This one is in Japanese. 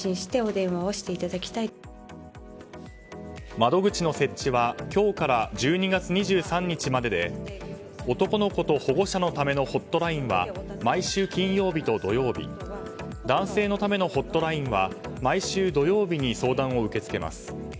窓口の設置は今日から１２月２３日までで男の子と保護者のためのホットラインは毎週金曜日と土曜日男性のためのホットラインは毎週土曜日に相談を受け付けます。